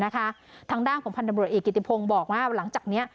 ทางด้านของพันธบรวจเอกกิติพงศ์บอกว่าหลังจากนี้